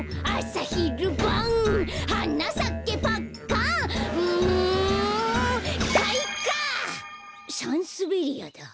サンスベリアだ。